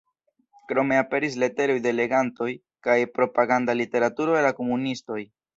Krome aperis leteroj de legantoj kaj propaganda literaturo de la komunistoj.